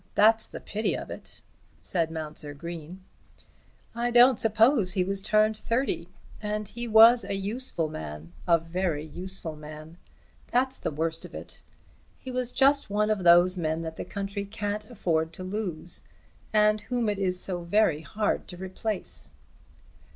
that's the pity of it," said Mounser Green. "I don't suppose he was turned thirty, and he was a useful man, a very useful man. That's the worst of it. He was just one of those men that the country can't afford to lose, and whom it is so very hard to replace."